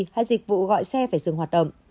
hay dịch vụ gọi xe phải dừng hoạt động